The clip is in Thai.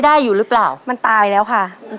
ตัวเลือดที่๓ม้าลายกับนกแก้วมาคอ